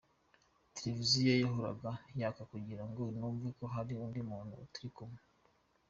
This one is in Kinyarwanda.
Televiziyo yahoraga yaka kugira ngo numve ko hari undi muntu turi kumwe.